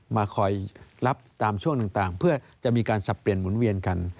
มาคอยรับตามช่วงต่างเพื่อจะมีการสับเปลี่ยนหมุนเวียนกัน